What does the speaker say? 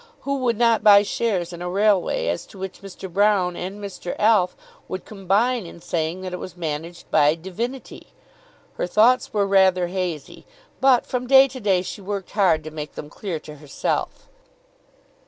Who would not buy shares in a railway as to which Mr. Broune and Mr. Alf would combine in saying that it was managed by "divinity"? Her thoughts were rather hazy, but from day to day she worked hard to make them clear to herself.